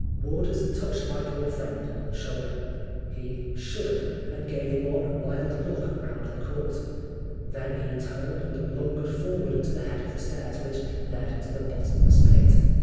Warders touched my poor friend on the shdulder. He shuddered and gave one wild look round the Court Then he turned and lumbered forward to the head of the stairs which led to the bottom less pit.